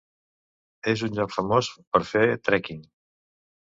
És un lloc famós per fer trekking.